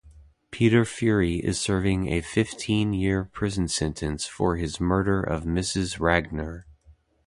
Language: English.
Peter Fury is serving a fifteen-year prison sentence for his murder of Mrs Ragner.